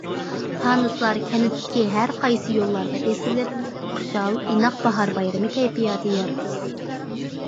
پانۇسلار كەنتتىكى ھەرقايسى يوللارغا ئېسىلىپ، خۇشال، ئىناق باھار بايرىمى كەيپىياتى يارىتىلدى.